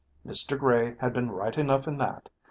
Mr. Gray had been right enough in that.